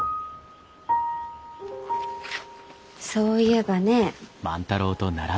そういえばね。